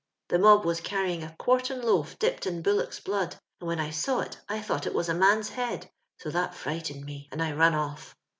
Tlie mob was ciurj ing a quartern loaf dipped in bullock's blood, and when I saw it I thought it was a man's he; ul; so that fiighteued me, an 1 I run oil".